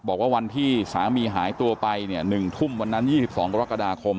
บอกว่าวันที่สามีหายตัวไปเนี่ย๑ทุ่มวันนั้น๒๒กรกฎาคม